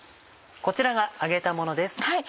こちらが揚げたものです。